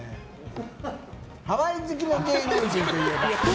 ハワイ好きの芸能人といえば。